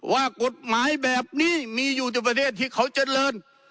ว่ากฎหมายแบบนี้มีอยู่แต่ประเทศที่เขาเจริญ